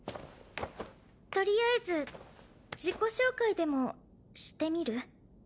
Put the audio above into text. とりあえず自己紹介でもしてみる？